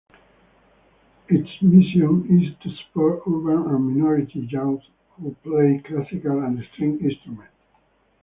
Its mission is to support urban and minority youth who play classical string instruments.